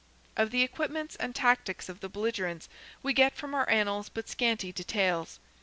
Of the equipments and tactics of the belligerents we get from our Annals but scanty details.